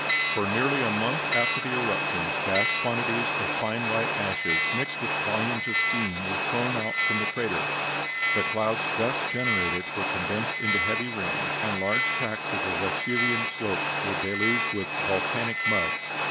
For nearly a month after the eruption vast quantities of fine white ashes, mixed with volumes of steam, were thrown out from the crater; the clouds thus generated were condensed into heavy rain, and large tracts of the Vesuvian slopes were deluged with volcanic mud.